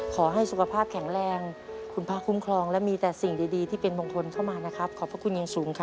ขอให้สุขภาพแข็งแรงคุณพระคุ้มครองและมีแต่สิ่งดีที่เป็นมงคลเข้ามานะครับขอบพระคุณอย่างสูงครับ